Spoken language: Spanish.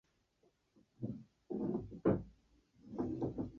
Estudió en el Instituto Superior de Arte del Teatro Colón, en Buenos Aires.